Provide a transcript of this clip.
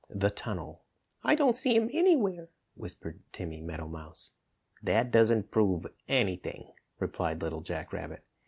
THE TUNNEL "I don't see him anywhere," whispered Timmy Meadowmouse. "That doesn't prove anything," replied Little Jack Rabbit.